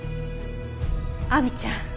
亜美ちゃん